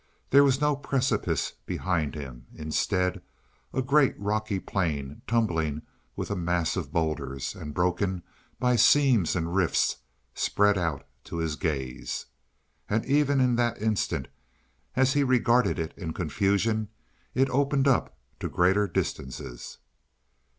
There was no precipice behind him. Instead, a great, rocky plain, tumbling with a mass of boulders, and broken by seams and rifts, spread out to his gaze. And even in that instant, as he regarded it in confusion, it opened up to greater distances.